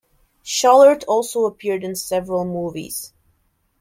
Schallert also appeared in several movies.